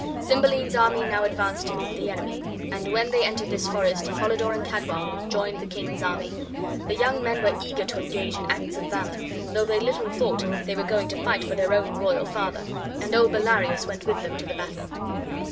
Cymbeline's army now advanced to meet the enemy, and when they entered this forest Polydore and Cadwal joined the king's army. The young men were eager to engage in acts of valor, though they little thought they were going to fight for their own royal father; and old Bellarius went with them to the battle.